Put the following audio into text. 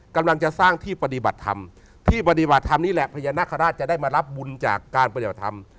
กำลังจะสร้างที่ปฏิบัติธรรมที่ปฏิบัติธรรมนี่แหละพญานาคาราชจะได้มารับบุญจากการปฏิบัติธรรม